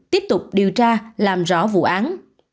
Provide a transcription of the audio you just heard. tiếp tục điều tra làm rõ vụ án